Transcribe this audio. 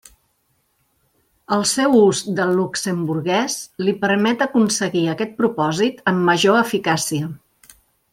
El seu ús del luxemburguès li permet aconseguir aquest propòsit amb major eficàcia.